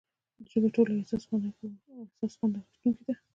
ژبه ټولو حساس خوند اخیستونکې ده.